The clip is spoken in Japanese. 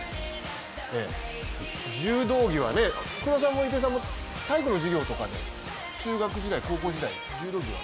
柔道着は福田さんも糸井さんも体育の授業とかで中学時代、高校時代柔道着は？